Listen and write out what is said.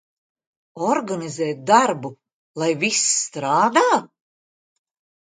Organizēt darbu, lai viss strādā?